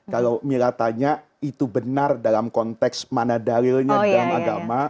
kalau mila tanya itu benar dalam konteks mana dalilnya dalam agama